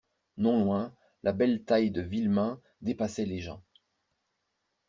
Non loin, la belle taille de Villemain dépassait les gens.